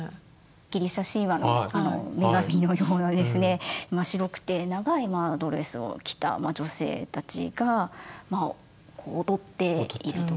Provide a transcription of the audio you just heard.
ギリシャ神話の女神のようなですね白くて長いドレスを着た女性たちが踊っていると。